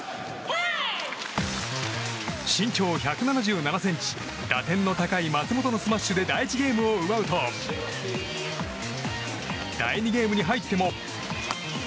身長１７７ｃｍ打点の高い松本のスマッシュで第１ゲームを奪うと第２ゲームに入っても。